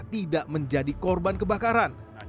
tidak menjadi korban kebakaran